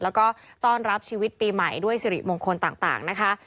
แล้วก็ต้อนรับชีวิตปีใหม่ด้วยสิริมงคลต่างนะคะ